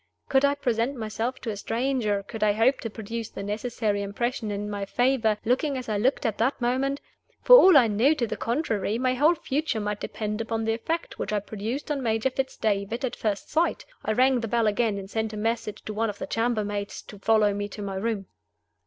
Could I present myself to a stranger, could I hope to produce the necessary impression in my favor, looking as I looked at that moment? For all I knew to the contrary, my whole future might depend upon the effect which I produced on Major Fitz David at first sight. I rang the bell again, and sent a message to one of the chambermaids to follow me to my room.